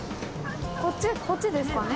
こっちこっちですかね。